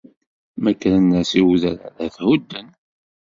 Ma kkren-as i udrar, ad t-hudden.